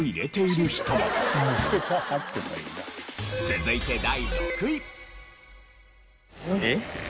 続いて第６位。